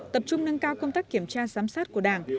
tập trung nâng cao công tác kiểm tra giám sát của đảng